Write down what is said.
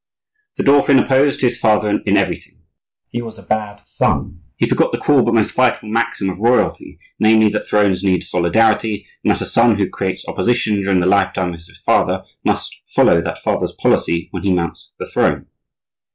The dauphin opposed his father in everything; he was a bad son. He forgot the cruel but most vital maxim of royalty, namely, that thrones need solidarity; and that a son who creates opposition during the lifetime of his father must follow that father's policy when he mounts the throne.